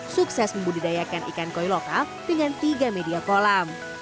sukses membudidayakan ikan koi lokal dengan tiga media kolam